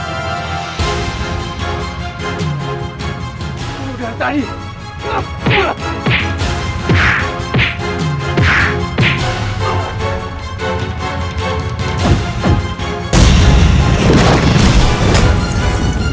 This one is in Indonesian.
ayo kita serang dia bersama sama